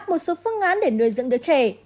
anh a đã đưa xuống phương án để nuôi dưỡng đứa trẻ